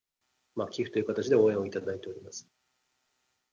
寄付という形で応援をいただいております。